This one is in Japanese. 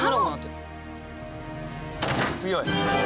強い。